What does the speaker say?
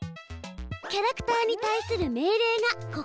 キャラクターに対する命令がここ。